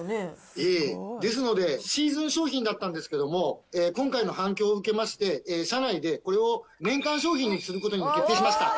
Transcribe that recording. ええ、ですのでシーズン商品だったんですけれども、今回の反響を受けまして、社内でこれを年間商品にすることに決定しました。